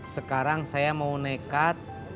sekarang saya mau nekat